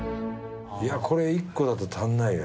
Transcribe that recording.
これ１個だと足んないよ